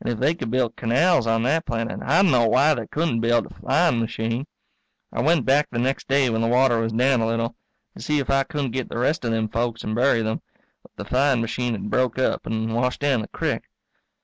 And if they could build canals on that planet I d'no why they couldn't build a flying machine. I went back the next day when the water was down a little, to see if I couldn't get the rest of them folks and bury them, but the flying machine had broke up and washed down the crick.